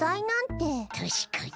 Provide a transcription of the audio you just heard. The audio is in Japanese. たしかに。